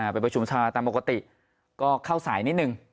ประชุมชาตามปกติก็เข้าสายนิดนึง